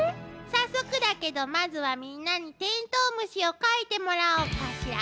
早速だけどまずはみんなにテントウムシを描いてもらおうかしら。